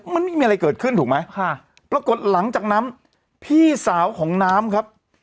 มันไม่มีอะไรเกิดขึ้นถูกไหมค่ะปรากฏหลังจากนั้นพี่สาวของน้ำครับ